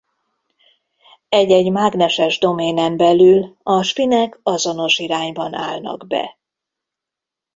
Egy-egy mágneses doménen belül a spinek azonos irányban állnak be.